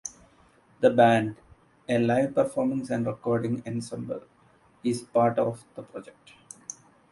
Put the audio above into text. The band, a live performance and recording ensemble, is part of the project.